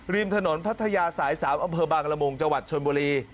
ริมถนนพัทยาสาย๓อำเภอบางละมุงจังหวัดชนบุรี